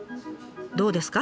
どうですか？